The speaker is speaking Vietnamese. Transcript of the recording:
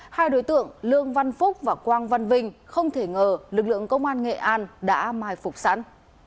hai đối tượng lương văn phúc và quang văn vinh không thể ngờ lực lượng công an nghệ an đã mai phục sẵn